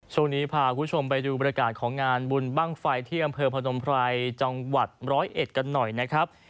ช่วงนี้พาคุณผู้ชมไปดูบรรยากาศของงานบุลบั้คไฟที่อำเภอผจร้อยเอ็ดกันหน่อยนะครับ